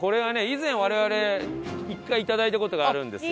以前我々１回いただいた事があるんですよ。